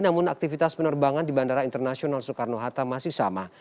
namun aktivitas penerbangan di bandara internasional soekarno hatta masih sama